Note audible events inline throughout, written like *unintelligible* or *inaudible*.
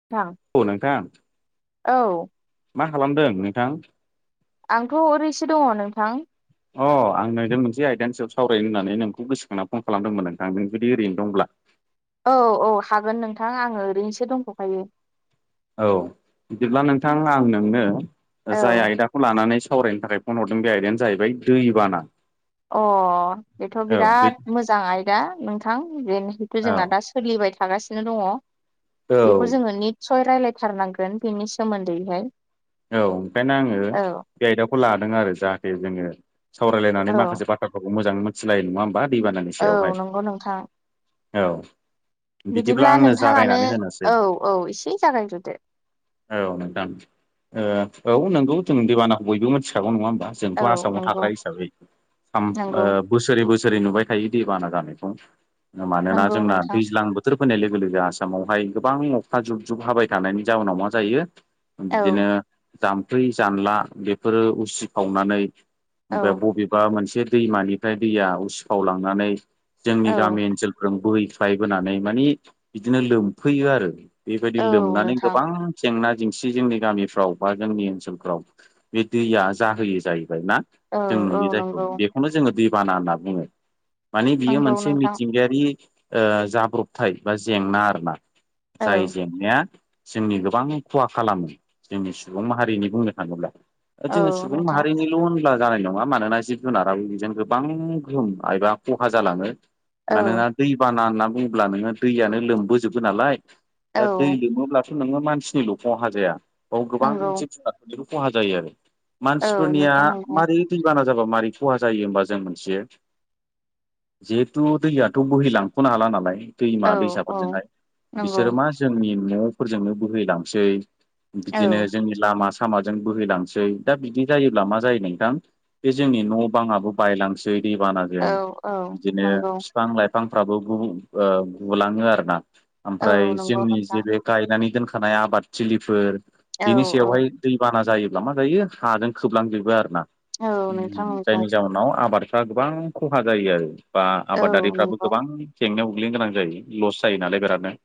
*unintelligible* औ नोंथां। औ। मा खालामदों नोंथां? आंथ' ओरैसो दङ नोंथां। अ आं नोंजों मोनसे आयदानि सायाव सावरायनो होननानै नोंखौ गोसोखांना फन खालामदोंमोन नोंथां नों जुदि ओरैनो दंब्ला। औ औ हागोन नोंथां आङो ओरैनोसो दंथ'खायो। औ बिदिब्ला नोंथां आं नोंनो जाय औ आयदा खौ लानानै सावरायनो थाखाय फन हरदों बे आयदायानो जाहैबाय दैबाना। अ बेथ' औ बे बिराद मोजां आयदा नोंथां बेनिहिथ' औ जोंना दास सोलिबाय थागासिनो दङ बेखौ जोङो निट सय रायलायथारनांगोन बेनि सोमोन्दैहाय। औ ओंखायनो आङो औ बे आयदाखौ लादों आरो जाहाथे जोङो औ सावरायलायनानै माखासे बाथ थ्राखौ मोजाङै मिथिलायो नङा होमबा दैबानानि औ सायावहाय नंगौ नोंथां औ। बिदिब्ला आङो नोंथाङानो जागायनानै होनोसै औ औ एसे जागायग्रोदो। औ नोंथां। ओ औ नोंगौ जों दैबानाखौ बयबो मिथिखागौ नङा होमबा? जोंथ' औ आसामाव नंगौ थाग्रा हिसाबै साम हो नंगौ बोसोरै बोसोरै नुबाय थायो दैबाना जानायखौ मानोना नंगौ जोंना नोंथां दैज्लां बो बोथोर फैनाय लोगो लोगो आसामावहाय गोबां अखा जुब जुब हाबाय थानायनि जाउनाव मा जायो औ बिदिनो जामफै जानला बेफोरो उसि फावनानै ओमफ्राय औ बबेबा मोनसे दैमानिफ्राय दैया उसिफावलांनानै जोंनि औ गामि ओनसोल बोहैख्लायबोनानै मानि बिदिनो लोमफैयो आरो। बेबायदि औ लोमनानै नोंथां गोबां जेंना जेंसि जोंनि गामिफ्राव बा जोंनि ओनसोलफ्राव बे दैया जाहोयो जाहैबाय ना औ जों औ नुयो जायखौ नंगौ बे खौनो जोङो दैबाना होनना बुङो मानि बियो नंगौ मोनसे नोंथां मिथिंगायारि ओ जाब्रबथाय बा जेंना आरोना औ जाय जेंनाया जोंनि गोबां खहा खालामो जोंनि सुबुं माहारिनि बुंनो थाङोब्ला। ओ औ जोङो सुबुं नोंथां माहारिनि ल' होनब्ला जानाय नङा मानोना जिब जुनाराबो बेजों गोबां गोहोम एबा खहा जालाङो। औ मानोना दैबाना होनना बुङोब्ला नोङो दैयानो लोमबोजोबो नालाय दा दै औ लोमोब्ला थ' नोङो मानसिनिल' खहा जाया बाव गोबां नंगौ जिब जुनारफोरनिबो खहा जायो आरो। औ मानसिफोरनिया नोंथां नंगौ मारै दैबाना जाबा मारै खहा जायो होमबा जों मोनथियो जिहेथु दैयाथ' बोहैलांख'नो हाला नालाय दैमा औ औ दैसाफोरजोंहाय नंगौ बिसोरो मा जोंनि न'फोरजोंनो बोहैलांसै औ बिदिनो जोंनि लामा सामाजों बोहैलांसै दा बिदि जायोब्ला मा जायो नोंथां बे जोंनि न' बाङाबो बायलांसै दैबानाजों औ औ बिदिनो नंगौ फि फां लाइफांफ्राबो गुबु ओ गुलाङो आरो ना औ आमफ्राय नंगौ जोंनि जे नोंथां बे गायनानै दोनखानाय आबादथिलिफोर औ बेनि औ सायावहाय दैबाना जायोब्ला मा जायो हाजों खोबलांजोबो आरोना औ नोंथां नंगौ जायनि जाहोनाव आबाद बादा गोबां खहा जायो आरो बा औ आबादारिफ्राबो नंगौ गोबां जेंनायाव गोग्लैनो गोनां जायो लस जायो नालाय बिरादनो।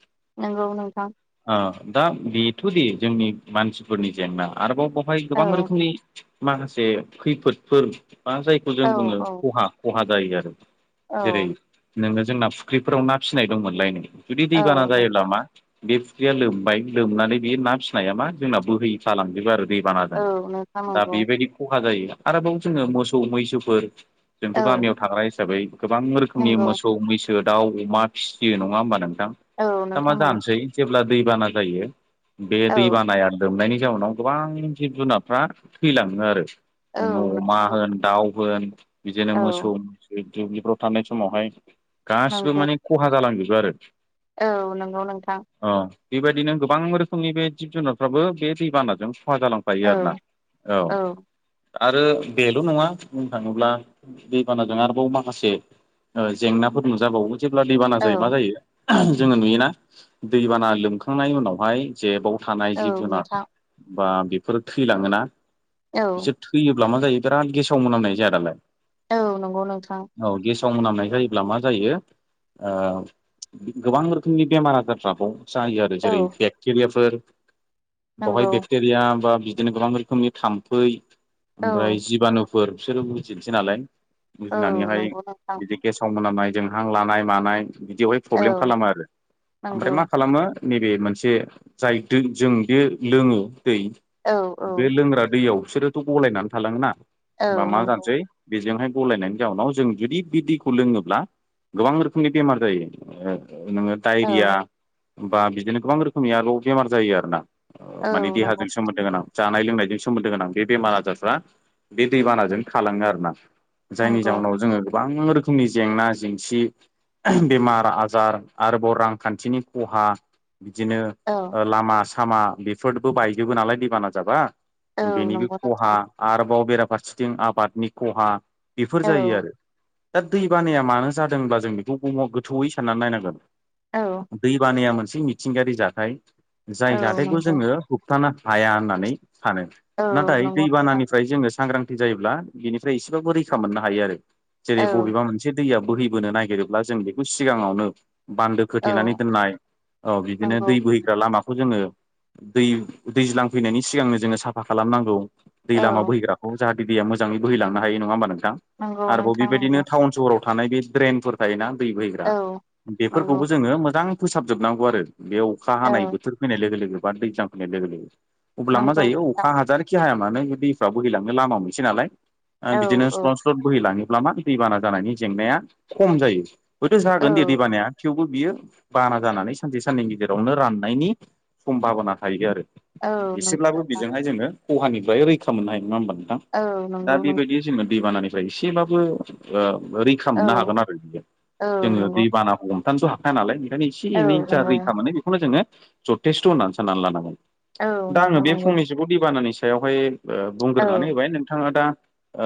नोंगौ नोंथां। ओ दा बेथ दे जोंनि मानसिफोरनि जेंना आरोबाव बेवहाय औ गोबां रोखोमनि माखासे खैफोदफोर बा जायखौ जों औ बुङो औ खहा खहा जायो आरो। औ जेरै नोङो जोंना फुख्रिफोराव ना फिसिनाय दंमोनलाय नै जुदि दैबाना औ नोंथां जायोब्ला मा बे फुख्रिया लोमबाय लोमनानै बे ना फिनाया मा जोंना बोहैफालांजोबो आरो दै बानाजों औ नोंथां दा नंगौ बेबायदि खहा जायो आरोबाव जोङो मोसौ मैसोफोर जोंथ औ गामियाव थाग्रा हिसाबै गोबां रोखोमनि नंगौ मोसौ मैसो बो दाउ अमा फिसियो नङा होमबा नोंथां औ दा मा नोंथां नंगौ जानसै जेब्ला दैबाना जायो बे औ दै बानाया लोमनायनि जाउनाव गोबां जिब जुनारफ्रा थैलाङो आरो औ नोङो अमा नोंथां होन दाउ होन बिदिनो औ मोसौ बे दुब्लिफ्राव थानाय समावहाय गासिबो नंगौ माने खहा जालांजोबो आरो औ नोंगौ नोंथां। अ बेबायदिनो गोबां रोखोमनि बे जिब जुनारफ्राबो बे दैबानाजों खहा जालां औ फायो आरो ना औ आरो बेल नङा बुंनो थाङोब्ला दैबानाजों आरोबाव माखासे ओ जेंनाफोर नुजाबावो जेब्ला दैबाना औ जायो मा जायो जोङो नुयोना दैबाना लोमखांनायनि उनावहाय जेबाव थानाय औ जिब जुनार नोंथां बा बेफोरो थैलाङोना औ। बिसोर थैयोब्ला मा जायो बिराद गेसाव मोनामनाय जाया दालाय? औ नंगौ नोंथां। औ गेसाव मोनामनाय जायोब्ला मा जायो ओ गोबां रोखोमनि बेमार आजारफ्राबाव जायो आरो औ जेरै बेक्टेरियाफोर बावहाय नंगौ बेक्टेरिया बा बिदिनो गोबां रोखोमनि थाम्फै औ ओमफ्राय जिबानु फोर बिसोरो बुजिनसै नालाय औ बुजिनानैहाय नंगौ नोंथां बिदि गेसाव मोनामनाय जोंहां लानाय मानाय बिदियावहाय प्रब्लेम औ खालामो आरो नंगौ ओमफ्राय मा खालामो नैबे मोनसे जाय दो जों बे लोङो दै औ औ बे लोंग्रा दैयाव बिसोरोथ गलायनानै थालाङोना औ होमबा मा नंगौ जानोसै बेजोंहाय गलायनायनि जाउनाव जों जुदि बि दैखौ लोङोब्ला गोबां रोखोमनि बेमार जायो ओ नोङो औ डायरिया बा बिदिनो गोबां रोखोमनि आरोबाव बेमार जायो आरोना औ माने नंगौ देहाजों सोमोनद दो गोनां जानाय लोंनायजों सोमोन्दो गोनां बेमार आजारफ्रा बे दैबानाजों थालाङो आरोना। जायनि नंगौ जाहोनाव जोङो गोबां रोखोमनि जेंना जेंसि बेमार आजार आरोबाव रांखान्थिनि खहा बिदिनो औ। ओ लामा सामा बेफोरबो बायजोबो नालाय दैबाना जाबा औ बेनिबो नंगौ खहा नोंथां आरोबाव बेराफारसेथिं आबादनि खहा बेफोर औ जायो आरो दा दै बानाया मानो जादोंब्ला जों बेखौ बुहाव गोथौयै साननानै औ नायनांगोन दै बानाया मोनसे मिथिंगायारि जाथाय औ जाय जा नंगौ खो होबथाना हाया होननानै सानो औ नाथाय नंगौ दैबानानिफ्राय जोङो सांग्रां जायोब्ला बिनिफ्राय एसेबाबो रैखा मोननो हायो आरो औ जेरै बबेबा मोन से दैया बोहैबोनो नागिरोब्ला जों बेखौ सिगाङावनो बान्दो औ खोथेनानै दोननाय अ बिदिनो नंगौ दै बोहैग्रा लामाखौ जोङो दै दैज्लां फैनायनि सिगांनो जोङो साफा खालामनांगौ दै औ लामा बोहैग्राखौ। जाहाथे दैया मोजाङै बोहैलांनो हायो नङा होमबा नोंथां नंगौ आरोबाव नोंथां बेबायदिनो नंगौ टाउन सहराव थानाय बे ड्रेनफोर थायोना दै बोहैग्रा औ नंगौ बेफोरखौबो जोङो मोजां फोसाबजोबनांगौ आरो बे अखा औ हानाय बोथोर फैनाय लोगो लोगो बा दैज्लां फैनाय लोगो लोगो। अब्ला मा नंगौ जायो नोंथां अखा हाजारखि हाया मानो बे दैफ्रा बोहैलांनो लामा मोनसेै नालाय आ औ बिदिनो औ स्लद स्लद बोहैलाङोब्ला मा दैबाना जानायनि जेंनाया खम जायो हयथ जागोन दे औ दैबानाया थेवबो बियो बाना जानानै सानसे साननैनि गेजेरावनो राननायनि सम्भाबना थायो आरो औ नंगौ एसेब्लाबो नोंथां बेजोंहाय जोङो खहानिफ्राय रैखा मोननो हायो नङा होमबा नोंथां औ दा नंगौ नों बेबायदि जिमो दैबानानिफ्राय एसेबबो ओ रै खा औ मोननो हागोन आरो बियो औ जोङो नंगौ दै बानाखौ होबथानथ' हाखाया नालाय ओंखायनो एसे औ एनै जा नंगौ रैखा मोनो बेखौनो जोङो जथेस्थ' होननानै साननानै लानांगोन औ दा आङो नोंथां बे नंगौ फंनैसोखौ दैबानानि सायावहाय ओ औ बुंग्रोनानै होबाय नोंथाङा दा ओ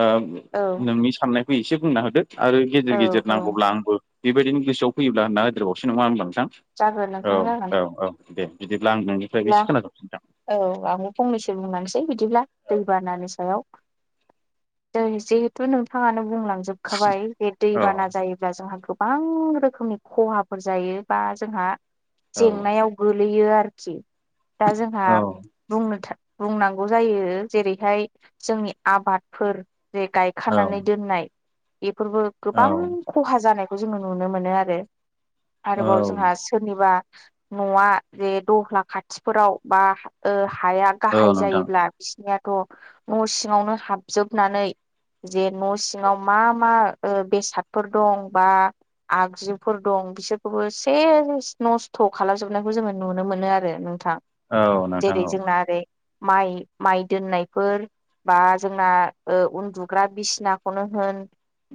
औ नोंनि साननायखौ एसे बुंना होदो आरो गेजेर औ गेजेर औ नांगौब्ला आंबो बेबायदिनो गोसोआव फैयोब्ला होनना होदेर बावसै नामा होनबा नोंथां जागोन औ नोंथां जागोन औ औ दे। बिदिब्ला आं नों बिदिब्ला औ आंबो फंनैसो बुंलांसै बिदिब्ला दैबानानि सायाव। दै, जिहेथु नोंथाङानो बुंलांजोबखाबाय, जे औ दैबाना जायोब्ला जोंहा गोब गोबां रोखोमनि खहाफोर जायो बा जोंहा औ जेंनायाव गोलैयो आरो खि दा जोंहा औ बुंनो था बुंनो बुंनांगौ जायो जेरैहाय जोंनि आबादफोर जे गाय औ खानानै दोननाय बेफोरबो औ गोबां खहा जानायखौ जोङो नुनो मोनो आरो। औ आरोबाव जोंहा सोरनिबा न'आ जे दलहा खाथिफोराव बा ओ हाया औ गाहाय नोंथां जायोब्ला बिसिनियाथ' न' सिङावनो हाबजोबनानै जे न' सिङाव मा मा बेसादफोर दं बा आगजुफोर दं, बिसोरखौबो सेस नस्थ' खालामजोबनायखौ जोङो नुनो मोन नो आरो नोंथां। औ नोंथां जेरै औ जोंना ओरै माइ माइ दोननायफोर बा जोंना ओ उन्दुग्रा बिसिनाखौनो होन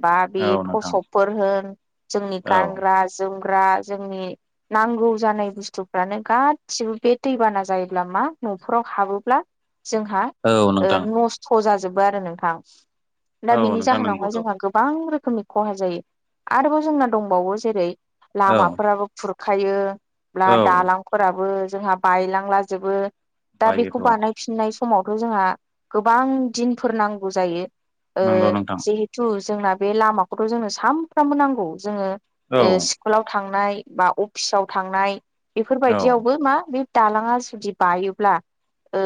बा बे औ नोंथां थसपफोर होन, जोंनि औ गानग्रा जोमग्रा जोंनि नांगौ जानाय बुस्थुफ्रानो गा गासिबो बे दैबाना जायोब्ला मा न'फोराव हाबोब्ला जोंहा औ ओ नोंथां नसि स' जाजोबो आरो नोंथां, दा औ बेनि नोंथां जाहोनावहाय नंगौथ' जोंहा गोब गोबां रोखोमनि खहा जायो, आरोबाव जोंना दंबावो जेरै, औ लामाफोराबो खुरखायो ब्ला औ दालांफोराबो जोंहा बायलांलाजोबो। दा बायोथ' बेखौ बानायफिननाय समावथ' जोंहा गोबां दिनफोर नांगौ जायो। ओ नंगौ नोंथां जिहेथु जोंना बे लामाखौथ' जोंनो सानफ्रामबो नांगौ। जोङो औ ओ स्कुलाव थांनाय बा अफिसाव थांनाय औ बेफोरबायदियावबो मा बे दालाङा जुदि बायोब्ला ओ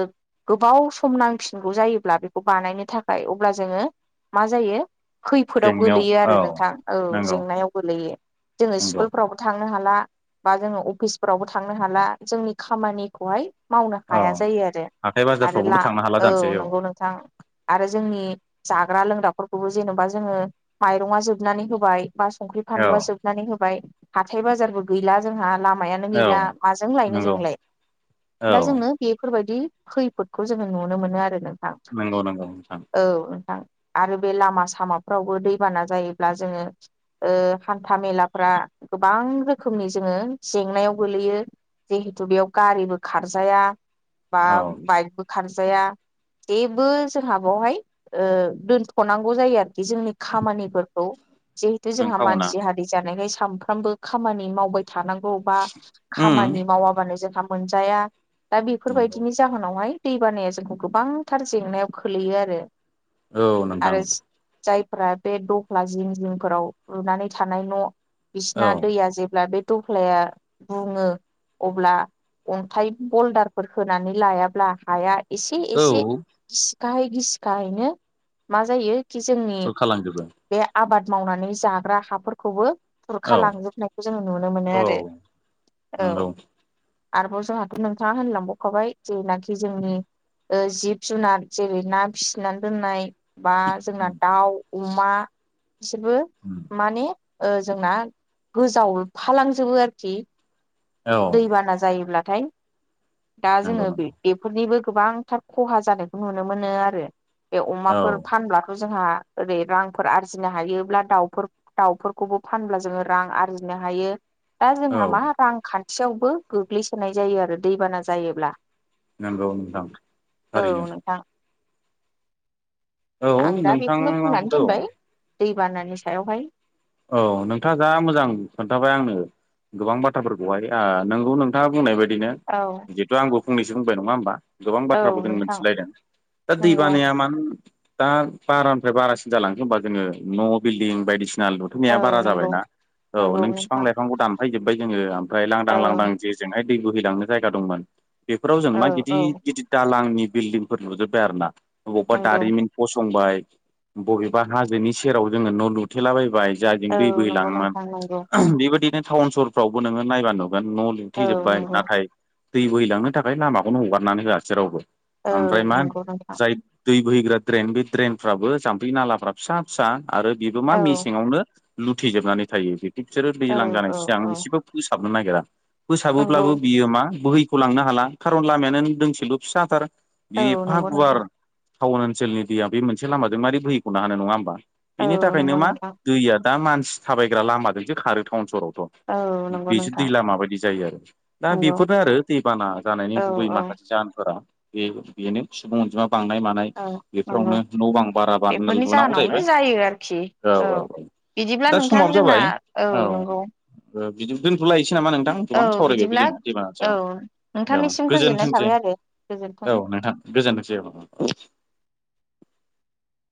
गोबाव सम नांफिनगौ जायोब्ला बेखौ बानायनो थाखाय अब्ला जोङो मा जायो खैफोदाव जेंनायाव गोलैयो आरो औ नोंथां औ नंगौ जेंनायाव गोलैयो जोङो नंगौ स्कुलफोरावबो थांनो हाला, बा जोङो अफिसफोराव थांनो हाला। जोंनि खामानि खौहाय मावनो औ हाया जायो आरो। हाथाय आरो ला बाजारफ्रावबोथ' थांनो हाला औ जानोसै नोंगौ नों थां आरो जोंनि जाग्रा लोंग्राफोरखौबो जेन'बा जोङो माइरंआ जोबनानै होबाय। बा संख्रि औ फानलुआ जोबनानै होबाय, हाथाय बाजारबो गैला जोंहा लामायानो औ गैला। माजों लायनो नंगौ जोंलाय औ दा जोंनो बेफोरबायदि खैफोदखौ जोङो नुनो मोनो आरो नोंथां नंगौ नंगौ नोंथां औ नोंथां आरो बे लामा सामाफ्रावबो दैबाना जायोब्ला जोङो ओ हान्था मेलाफ्रा गोबां रोखोमनि जोङो जेंनायाव गोलैयो। जिहेथु बेयाव गारिबो खारजाया, बा औ बाइकबो खारजाया। जेबो जोंहा बेवहाय ओ दोनथ' नांगौ जायो आरोखि जोंनि खामानिफोरखौ नों जोंहा खावना मानसि हारि जानायखाय सानफ्रामबो खामानि मावबाय थानांगौ बा उम खामानि माव मावाबानो जोंहा मोनजाया, दा नंगौ बेफोरबायदिनि जाहोनावहाय दै बानाया जोंखौ गोबांथार जेंनायाव खोलैयो आरो। औ नोंथां आरो जायफ्रा बे दख्ला जिं जिंफोराव लुनानै थानाय न' औ बिसिना दैया जेब्ला बे दफ्लाया बुङो, अब्ला अन्थाइ बलदारफोर होनानै लायाब्ला हाया एसे औ एसे गिसिखाहै गिसिखाहैनो मा जायो कि जोंनि सुर खालामजोबो बे आबाद मावनानै जाग्रा हाफोरखौबो औ खुरखा लांजोबनायखौ जोङो नुनो मोनो औ आरो नंगौ औ- आरोबाव जोंहाथ' नोंथाङा होनलांबावखाबाय जेनाखि जोंनि जिब जुनार जेरै ना फिसिनानै दोननाय बा जोंना उम दाउ अमा बिसोरबो उम- माने ओ- जोंना गोजावफालांजोबो आरोखि औ दैबाना जायोब्लाथाय, दा नंगौ जोङो बे नंगौ बेफोरनिबो गोबांथार खहा जानायखौ नुनो मोनो आरो। बे औ अमाफोर फानब्लाथ' जोंहा ओरै रां फोर आरजिनो हायोब्ला दाउफोर दाउफोरखौबो फानब्ला जोङो रां आरजिनो हायो। दा औ जोंहा मा रांखान्थियावबो गोग्लैसोनाय जायो आरो दैबाना जायोब्ला। नंगौ नोंथां औ थारैनो नोंथां औ आं दा बेखौनो बुंनानै नोंथाङाबोथ' दोनबाय दैबानानि सायावहाय औ- नोंथाङा जा मोजां खोन्थाबाय आंनो गोबां बाथ्राफोरखौहाय ओ- नोंगौ नोंथाङा बुंनाय बायदिनो औ- जिहथु आंबो फंनैसो बुंबाय नङा होमबा गोबां औ बाथ्राखौ जों नोंथां मिथिलायदों दा दै नंगौ बानाया मानो दा बारानिफ्राय बारासिन जालांखो होमबा जोङो न' बिल्दिं बायदिसिना नाया औ बारा नंगौ जाबायना। औ नंगौ नों फिफां नोंथां लाइफांखौ दान जोब्बाय जोङो ओमफ्राय औ लांदां लांदां जेजोंहाय दै बोहैलांनो जायगा दंमोन बेफोराव जों औ मा औ गिदिर गिदिर दालांनि बिल्डिंफोर लुजोब्बाय आरो ना। बबावबा नंगौ दारिमिन फसंबाय बबेबा हाजोनि सेराव जोङो न' लुथेलाबायबाय जायजों औ दै नंगौ बोहैलाङोमोन नोंथां नंगौ बेबायदिनो टाउन सहरफ्रावबो नोङो नायबा नुगोन न' लु- औ दिथिजोबबाय नंगौ नाथाय दै बोहैलांनो थाखाय लामाखौनो हगारनानै होआसै रावबो औ *unintelligible* ओमफ्राय मा नंगौ नोंथां जाय दै बोहैग्रा ड्रेन बे ड्रेनफ्राबो जाम्फै नालाफ्रा फिसा फिसा आरो बेबो मा औ मेसेंयावनो लुथिजोबनानै थायो। बिसोरो औ दैज्लां औ जानायनि सिगां औ एसेबो फोसाबनो नागिरा। नंगौ फोसाबोब्लाबो बियोमा बोहैखौ लांनो हाला। खारन लामायानो दोंसेल' फिसा थार। बे औ एफा नंगौ गुवार नोंथां टाउन ओनसोलनि दैया बे मोनसे लामाजों मारै बोहैख'नो हानो नङा होमबा औ बेनि थाखायनो नंगौ मा नोंथां दैया दा मानसि थाबायग्रा लामाजोंसो खारो टाउन सहरावथ' औ नंगौ बेसो दै नोंथां माबायदि जायो आरो दा नंगौ बेफोरनो आरो दैबाना जानायनि औ गुबै औ माखासे जाहोनफोरा बे बेनो सुबुं अनजिमा बांनाय मान औ नंगौ बेफोरावनो न' बां बारा बा बेफोरनि लुनांगौ जाहोनावनो जाहैबाय। जायो आरोखि औ औ औ बिदिब्ला दा नोंथां समाबो जोंना जाबाय औ- नंगौ बिदि दोनथ'लायसै नामा नोंथां। औ गोबां सावरायबायबो बिदिब्ला जोङो औ दैबानानिसाव औ- नोंथांनिसिम गोजोननाय गोजोनथोंसै थाबाय आरो गोजोन्थों औ- नोंथां गोजोनथोंसै।